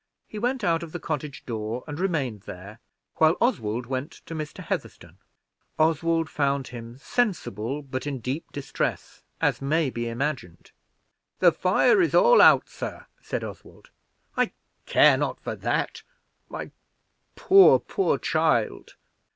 He went out of the cottage door, and remained there while Oswald went to Mr. Heatherstone. Oswald found him sensible, but in deep distress, as may be imagined. "The fire is all out, sir," said Oswald. "I care not for that. My poor, poor child!"